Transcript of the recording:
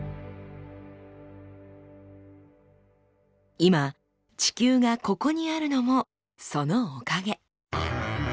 今地球がここにあるのもそのおかげ。